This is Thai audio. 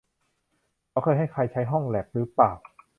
เขาเคยให้ใครใช้ห้องแลปรึเปล่า